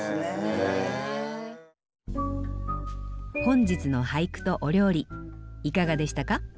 本日の俳句とお料理いかがでしたか？